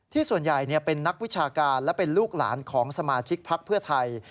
ส่วนใหญ่เป็นนักวิชาการและเป็นลูกหลานของสมาชิกพักเพื่อไทย